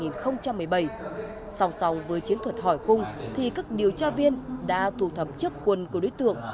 sòng sòng với chiến thuật hỏi cung thì các điều tra viên đã tụ thập trước quần của đối tượng